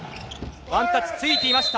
ワンタッチついていました。